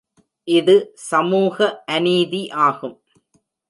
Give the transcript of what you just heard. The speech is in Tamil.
இது சமூக அநீதி ஆகும்.